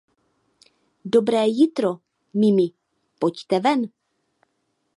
Dobré jitro, Mimi, pojďte ven.